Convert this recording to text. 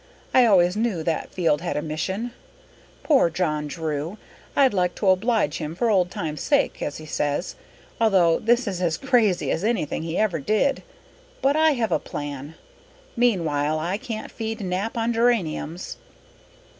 I always knew that field had a mission. Poor John Drew! I'd like to oblige him for old times' sake, as he says, although this is as crazy as anything he ever did. But I have a plan. Meanwhile, I can't feed Nap on geraniums."